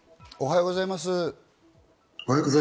おはようございます。